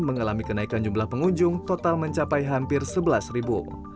mengalami kenaikan jumlah pengunjung total mencapai hampir sebelas ribu